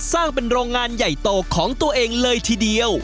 สร้างเป็นโรงงานใหญ่โตของตัวเองเลยทีเดียว